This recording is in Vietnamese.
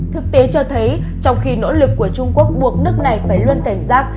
thực tế cho thấy trong khi nỗ lực của trung quốc buộc nước này phải luôn cảnh giác